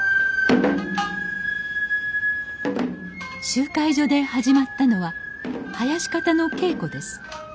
集会所で始まったのは囃子方の稽古です。